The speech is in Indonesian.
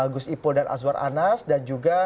gus ipul dan azwar anas dan juga